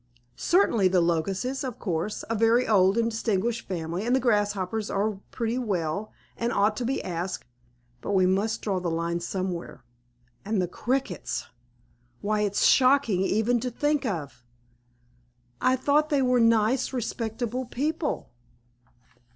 "Certainly. The Locusts, of course, a very old and distinguished family; and the Grasshoppers are pretty well, and ought to be asked. But we must draw the line somewhere, and the Crickets! Why it's shocking even to think of!" "I thought they were nice, respectable people."